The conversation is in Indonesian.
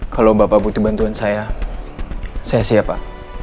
kalau bapak butuh bantuan saya saya siap pak